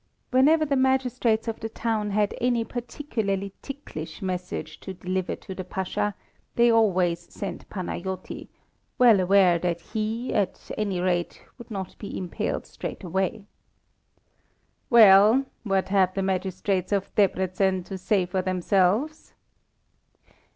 Whenever the magistrates of the town had any particularly ticklish message to deliver to the Pasha, they always sent Panajoti, well aware that he, at any rate, would not be impaled straight away. "Well, what have the magistrates of Debreczen to say for themselves?"